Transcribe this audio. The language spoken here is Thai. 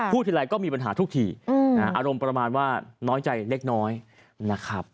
ทีไรก็มีปัญหาทุกทีอารมณ์ประมาณว่าน้อยใจเล็กน้อยนะครับ